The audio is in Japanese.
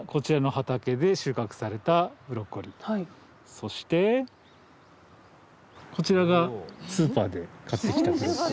そしてこちらがスーパーで買ってきたブロッコリー。